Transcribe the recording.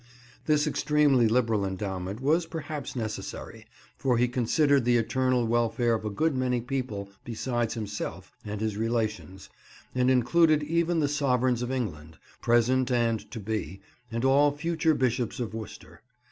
This extremely liberal endowment was perhaps necessary, for he had considered the eternal welfare of a good many people besides himself and his relations, and included even the sovereigns of England, present and to be, and all future Bishops of Worcester.